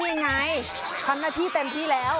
ก็อย่างไงธรรมธรรมยนต์พี่เต็มที่แล้ว